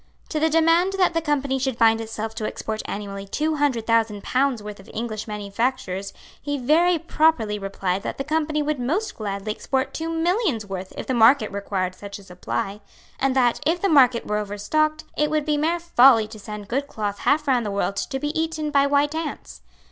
To the demand that the Company should bind itself to export annually two hundred thousand pounds' worth of English manufactures he very properly replied that the Company would most gladly export two millions' worth if the market required such a supply, and that, if the market were overstocked, it would be mere folly to send good cloth half round the world to be eaten by white ants.